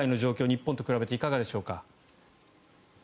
日本と比べていかがでしょうか。